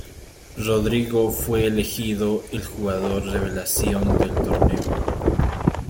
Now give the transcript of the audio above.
Rodrigo fue elegido el jugador revelación del torneo.